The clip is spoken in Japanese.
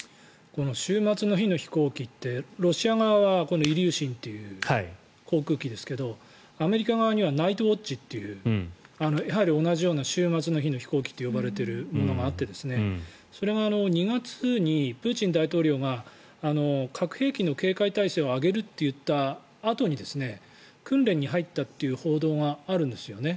この終末の日の飛行機ってロシア側はイリューシンという航空機ですけどアメリカ側にはナイトウォッチっていうやはり同じような終末の日の飛行機と呼ばれているものがあってそれが２月にプーチン大統領が核兵器の警戒体制を上げると言ったあとに訓練に入ったという報道があるんですよね。